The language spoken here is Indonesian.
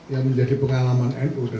yang menjadi pengalaman nu